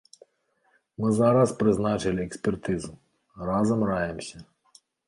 Мы зараз прызначылі экспертызу, разам раімся.